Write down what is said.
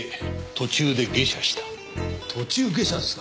途中下車ですか？